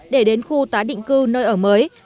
để đến khu tái định cư nơi ở mới